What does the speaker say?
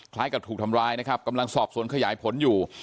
กับถูกทำร้ายนะครับกำลังสอบสวนขยายผลอยู่